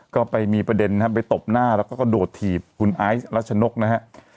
ก็ไปมีประเด็นน่ะไปตบหน้าแล้วก็โดดถีบรัชนกนะฮะ